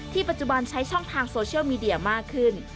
ปัจจุบันใช้ช่องทางโซเชียลมีเดียมากขึ้น